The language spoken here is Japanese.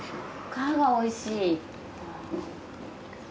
皮がおいしい。